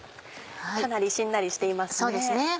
かなりしんなりしていますね。